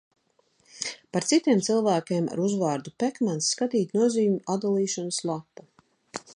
Par citiem cilvēkiem ar uzvārdu Pekmans skatīt nozīmju atdalīšanas lapu.